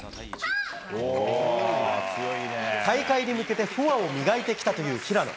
大会に向けてフォアを磨いてきたという平野。